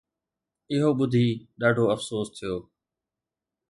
اهو ٻڌي ڏاڍو افسوس ٿيو